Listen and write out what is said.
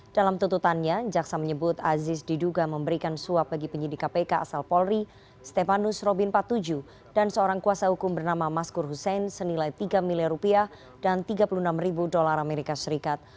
dalam tuntutannya jaksa menyebut aziz diduga memberikan suap bagi penyidika pk asal polri stepanus robin patuju dan seorang kuasa hukum bernama maskur hussein senilai rp tiga miliar dan rp tiga puluh enam ribu usd